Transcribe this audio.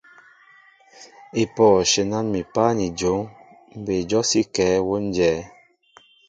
Epoh ! shenan mi páá ni jon, mbɛy jɔsíŋkɛɛ wón jɛέ.